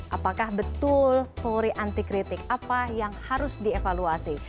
apakah betul polri anti kritik apa yang harus dievaluasi